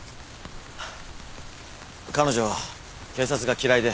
彼女警察が嫌いで。